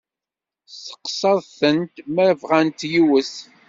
Testeqsaḍ-tent ma bɣant yiwet?